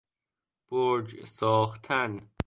برج ساختن